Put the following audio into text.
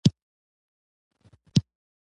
چې هر څه یې سطحي واخیستل شول.